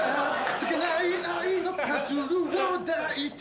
解けない愛のパズルを抱いて